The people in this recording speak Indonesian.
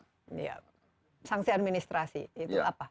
sanksianministrasi itu apa